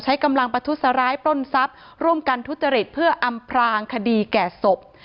ใช้กำลังประทุษร้ายปล้นทรัพย์ร่วมกันทุจริตเพื่ออำพลางคดีแก่ศพ